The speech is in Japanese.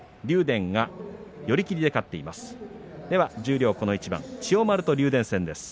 電が寄り切りで勝っています。